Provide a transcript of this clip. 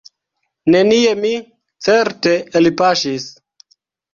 Nenie mi, certe, elpaŝis.